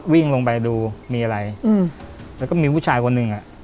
วิ่งลงไปดูมีอะไรแล้วก็มีผู้ชายคนนึง